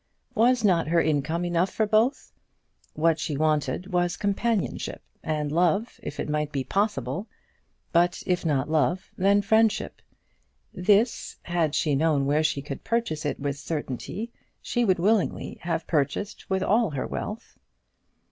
Was not her income enough for both? What she wanted was companionship, and love if it might be possible; but if not love, then friendship. This, had she known where she could purchase it with certainty, she would willingly have purchased with all her wealth.